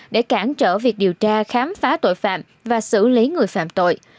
để cản trở việc điều tra khám phá tội phạm và xử lý người phạm tội